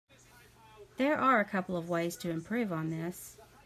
There are a couple ways to improve on this.